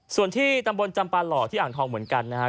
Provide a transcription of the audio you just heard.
ส่วนที่ตำบลจำปาหล่อที่อ่างทองเหมือนกันนะครับ